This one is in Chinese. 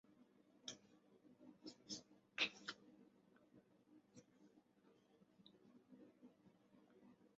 中国科学院外籍院士和欧洲科学院院士。